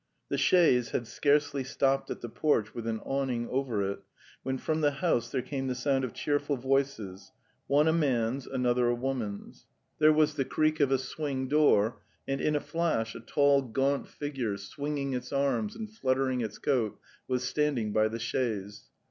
'The chaise had scarcely stopped at the porch with an awning over it, when from the house there came the sound of cheerful voices, one a man's, another a woman's; there was 188 The Tales of Chekhov the creak of a swing door, and in a flash a tall gaunt figure, swinging its arms and fluttering its coat, was standing by the chaise.